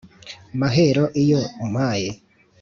Mahero iyo umpaye